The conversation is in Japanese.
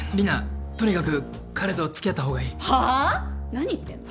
何言ってんの？